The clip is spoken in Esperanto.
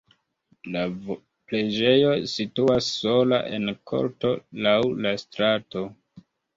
La preĝejo situas sola en korto laŭ la strato.